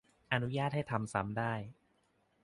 อนุญาตให้ทำซ้ำได้